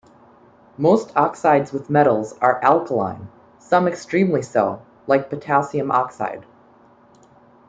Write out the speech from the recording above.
Most oxides with metals are alkaline, some extremely so, like potassium oxide.